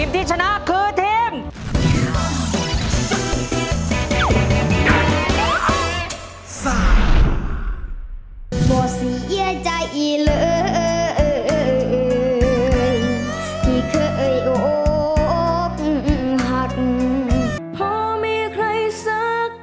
ทีมที่ชนะคือทีม